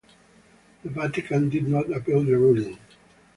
The Vatican did not appeal the ruling.